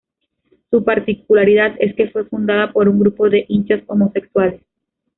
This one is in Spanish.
Su particularidad es que fue fundada por un grupo de hinchas homosexuales.